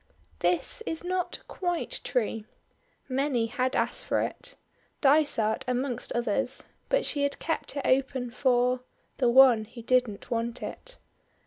This is not quite true. Many had asked for it, Dysart amongst others; but she had kept it open for the one who didn't want it.